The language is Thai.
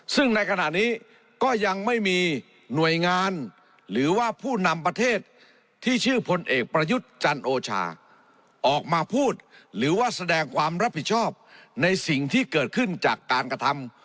ซึ่งในขณะนี้ก็ยังไม่มีหน่วยงานหรือว่าผู้นำประเทศที่ชื่อพลเอกประยุทธ์จันโอชาออกมาพูดหรือว่าแสดงความรับผิดชอบในสิ่งที่เกิดขึ้นจากการกระทำ